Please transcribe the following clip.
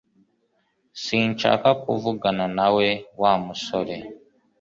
Sinshaka kuvugana nawe, Wa musore